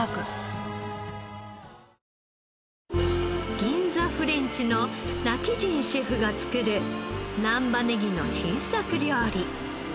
銀座フレンチの今帰仁シェフが作る難波ネギの新作料理。